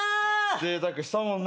ぜいたくしたもんな。